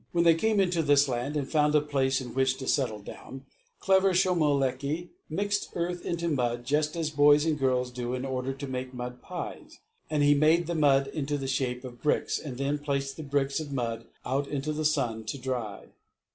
When they came into this land, and found a place in which to settle down, clever Shomolekae mixed earth into mud just as boys and girls do in order to make mud pies, but he made the mud into the shape of bricks, and then placed the bricks of mud out into the sun to dry.